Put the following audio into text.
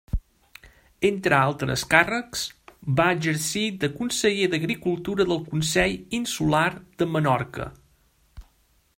Entre altres càrrecs, va exercir de conseller d'Agricultura del Consell Insular de Menorca.